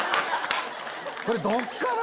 これどっから？